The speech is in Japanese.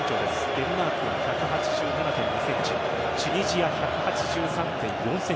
デンマークが１８７．２ｃｍチュニジア、１８３．４ｃｍ。